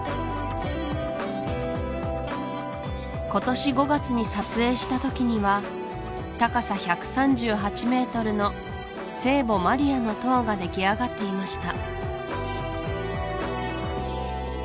今年５月に撮影した時には高さ１３８ｍの「聖母マリアの塔」ができあがっていました